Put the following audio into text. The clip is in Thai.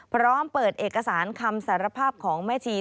พร้อมเปิดเอกสารคำสารภาพของแม่ชี